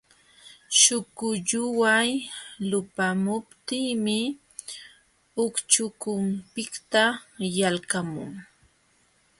Śhukulluway lupamuptinmi ucćhkunpiqta yalqamun.